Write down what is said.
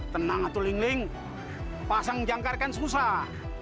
tenang atuh ling ling pasang jangkar kan susah